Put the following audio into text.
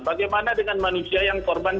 bagaimana dengan manusia yang korban